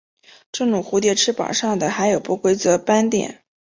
这种蝴蝶翅膀上的还有不规则斑点。